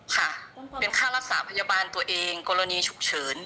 ค่ะเป็นค่ารักษาพยาบาลตัวเองกรณีฉุกเฉิน